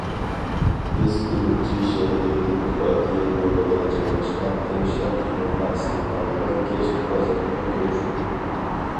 بىز ئۈرۈمچى شەھىرى« دېموكراتىيە» يولىغا جايلاشقان« تىنچلىق» كىنوخانىسى ئالدىدا كەچلىك بازاردا كۆرۈشتۇق.